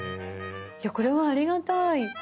いやこれはありがたい。